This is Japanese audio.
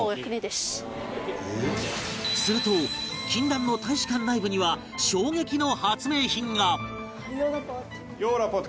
すると禁断の大使館内部には衝撃の発明品がヨー・ナポト。